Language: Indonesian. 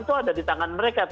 itu ada di tangan mereka